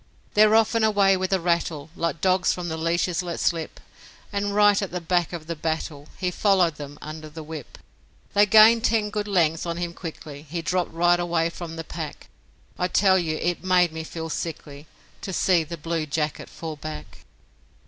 They're off and away with a rattle, Like dogs from the leashes let slip, And right at the back of the battle He followed them under the whip. They gained ten good lengths on him quickly He dropped right away from the pack; I tell you it made me feel sickly To see the blue jacket fall back.